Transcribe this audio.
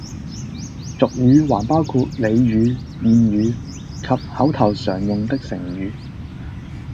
俗語還包括俚語、諺語及口頭常用的成語